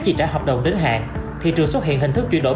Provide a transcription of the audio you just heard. chi trả hợp đồng đến hạn thị trường xuất hiện hình thức chuyển đổi